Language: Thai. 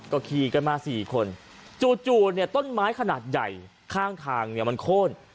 ก็ขี่กันมา๔คนจู่เนี่ยต้นไม้ขนาดใหญ่ข้างทางเนี่ยมันโค้น